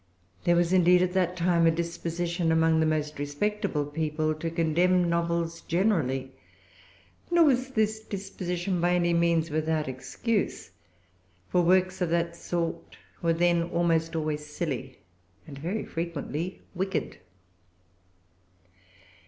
There was, indeed, at that time a disposition among the most respectable people to condemn novels generally; nor was this disposition by any means without excuse; for works of that sort were then almost always silly, and very frequently wicked.